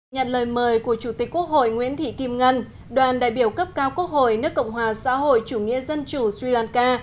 nhận lời mời của chủ tịch quốc hội nguyễn thị kim ngân đoàn đại biểu cấp cao quốc hội nước cộng hòa xã hội chủ nghĩa dân chủ sri lanka